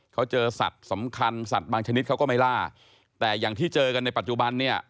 เขาเจอสัตว์สำคัญสัตว์บางชนิดเขาก็ไม่ล่าแต่อย่างที่เจอกันในปัจจุบันเนี่ย